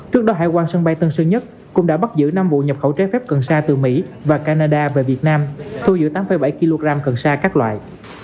trước đó hải quan sân bay tân sơn nhất cũng đã bắt giữ năm vụ nhập khẩu trái phép cần sa từ mỹ và canada về việt nam thu giữ tám bảy kg cần sa các loại